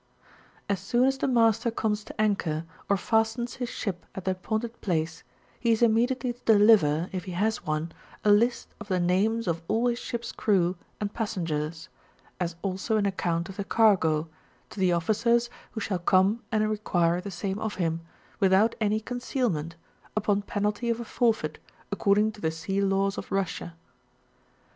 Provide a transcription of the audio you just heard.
As soon as the master comes to anchor, or fastens his ship at the appointed place, he is immediately to deliver (if he has one) a list of the names of all his 8mp*8 crew and passengers, as also an account of the cargo, to the officers who shall come and require the same of him, without any concealment, upon penalty of a forfeit, according to the sea laws of Russia.